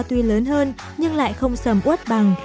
tuy lớn hơn nhưng lại không sầm út bằng